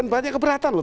ibaratnya keberatan loh